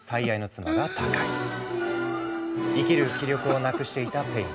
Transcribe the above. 生きる気力を無くしていたペイン。